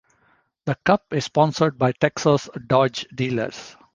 The cup is sponsored by Texas Dodge Dealers.